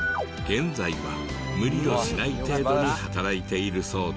現在は無理をしない程度に働いているそうで。